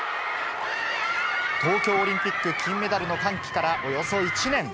東京オリンピック金メダルの歓喜からおよそ１年。